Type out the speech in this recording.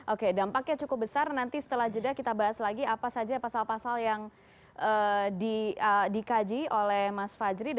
oke dampaknya cukup besar nanti setelah jeda kita bahas lagi apa saja pasal pasal yang dikaji oleh mas fajri